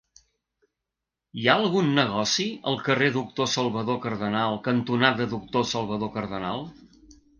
Hi ha algun negoci al carrer Doctor Salvador Cardenal cantonada Doctor Salvador Cardenal?